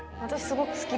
私。